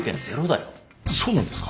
そうなんですか？